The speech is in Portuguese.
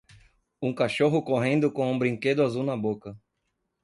Um cachorro correndo com um brinquedo azul na boca.